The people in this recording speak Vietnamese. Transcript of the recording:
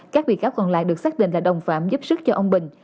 các bị cáo còn lại được xác định là đồng phạm giúp sức cho ông bình